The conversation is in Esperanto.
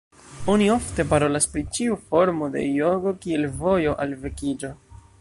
Oni ofte parolas pri ĉiu formo de jogo kiel "vojo" al vekiĝo.